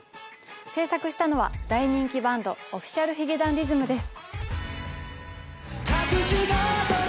制作したのは大人気バンドＯｆｆｉｃｉａｌ髭男ｄｉｓｍです！